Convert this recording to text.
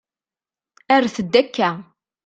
Rret-d akka.